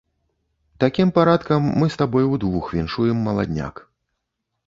Такім парадкам мы з табой удвух віншуем маладняк.